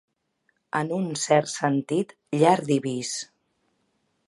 En un cert sentit, llar d'ibis.